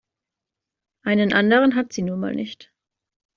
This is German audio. Einen anderen hat sie nun mal nicht.